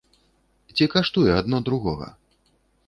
Ці каштуе адно другога?